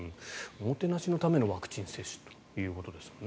おもてなしのためのワクチン接種ということですもんね